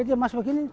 dia masuk begini